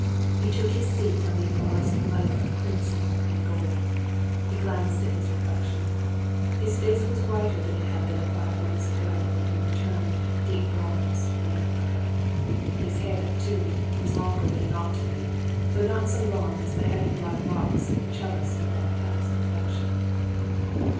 He took his seat on the embossed leather of crimson and gold. He glanced at his reflection. His face was whiter than it had been five weeks ago, when he returned, deep bronzed, from Africa. His hair, too, was longer than it ought to be; though not so long as the heavy black locks of the 'cellist of that past reflection.